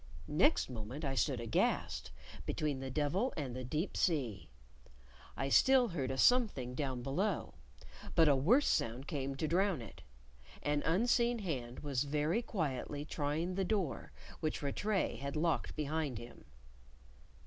Next moment I stood aghast between the devil and the deep sea. I still heard a something down below, but a worse sound came to drown it. An unseen hand was very quietly trying the door which Rattray had locked behind him.